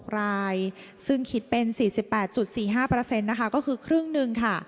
๒๖๖รายซึ่งคิดเป็น๔๘๔๕ก็คือครึ่งหนึ่ง